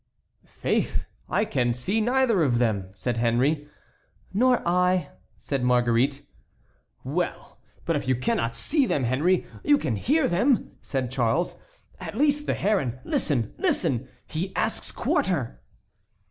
"Faith, I can see neither of them," said Henry. "Nor I," said Marguerite. "Well, but if you cannot see them, Henry, you can hear them," said Charles, "at least the heron. Listen! listen! he asks quarter!"